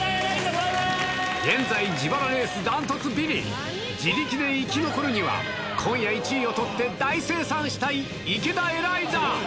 現在、自腹レース断トツビリ、自力で生き残るには、今夜１位を取って、大精算したい、池田エライザ。